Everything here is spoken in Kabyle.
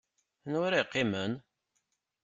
Anwa ara yeqqimen?